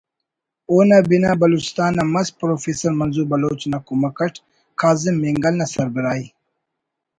اونا بنا بلوچستان آن مس پروفیسر منظور بلوچ نا کمک اٹ کاظم مینگل نا سربراہی